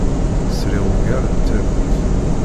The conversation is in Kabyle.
Sriɣ ugar n tallunt.